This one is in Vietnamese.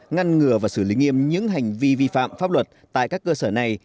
ngăn ngừa và xử lý nghiêm những hành vi vi phạm pháp luật tại các cơ sở này